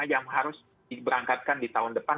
yang harus diberangkatkan di tahun depan